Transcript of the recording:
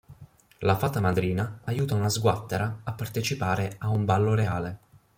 La fata madrina aiuta una sguattera a partecipare a un ballo reale.